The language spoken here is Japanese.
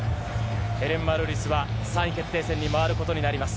ヘレン・マルーリスは３位決定戦に回ることになります。